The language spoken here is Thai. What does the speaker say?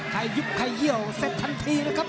นั่นต้องมีเลือกทราบ